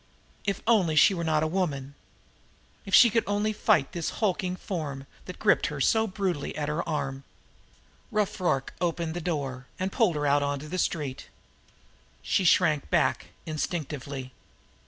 If only she were not a woman! If she could only fight this hulking form that gripped so brutally at her arm! Rough Rorke opened the door, and pulled her out to the street. She shrank back instinctively.